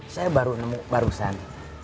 saya baru nemu barusan